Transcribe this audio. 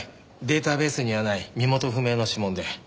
データベースにはない身元不明の指紋で。